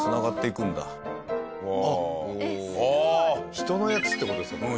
人のやつって事ですか？